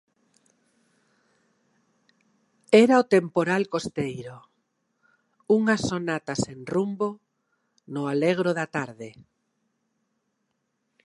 Era o temporal costeiro, unha sonata sen rumbo no allegro da tarde.